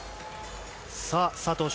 さあ、佐藤翔